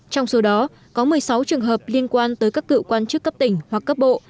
trong số đó có một mươi sáu trường hợp liên quan tới các cựu quan chức cấp tỉnh hoặc cấp bộ